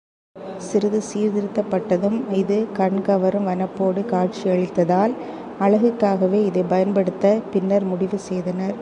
சிறிது சீர்திருத்தப்பட்டதும் இது கண் கவரும் வனப்போடு காட்சியளித்ததால், அழகுக்காகவே இதைப் பயன் படுத்தப் பின்னர் முடிவு செய்தனர்.